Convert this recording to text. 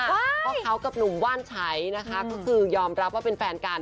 เพราะเขากับหนุ่มว่านชัยนะคะก็คือยอมรับว่าเป็นแฟนกัน